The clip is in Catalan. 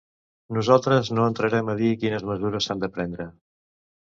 Nosaltres no entrarem a dir quines mesures s’han de prendre.